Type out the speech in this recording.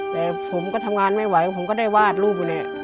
แต่ผมก็ทำงานไม่ไหวผมก็ได้วาดรูปอยู่เนี่ย